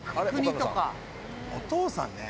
お父さんね。